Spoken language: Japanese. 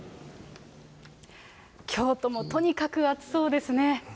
京都もとにかく暑そうですね。